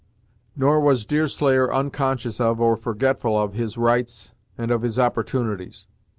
Nor was Deerslayer unconscious of, or forgetful, of his rights and of his opportunities.